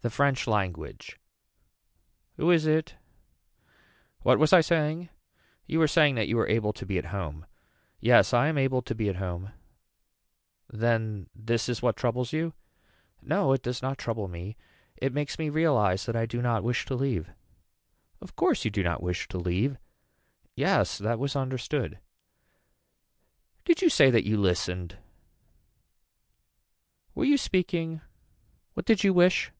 The french language. Who is it. What was I saying. You were saying that you were able to be at home. Yes I am able to be at home. Then this is what troubles you. No it does not trouble me. It makes me realize that I do not wish to leave. Of course you do not wish to leave. Yes that was understood. Did you say that you listened. Were you speaking what did you wish.